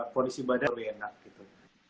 kondisi badan lebih enak gitu